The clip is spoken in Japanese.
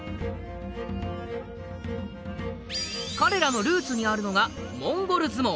彼らのルーツにあるのがモンゴル相撲。